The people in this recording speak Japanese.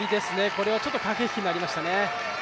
これはちょっと駆け引きにになりましたね。